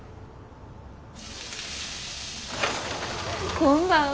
こんばんは。